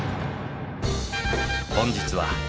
本日は。